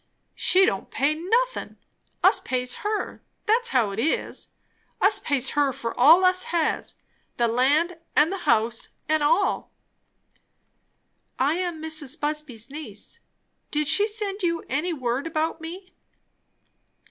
"She don't pay nothin'. Us pays her; that's how it is. Us pays her, for all us has; the land and the house and all." "I am Mrs. Busby's niece. Did she send you any word about me?"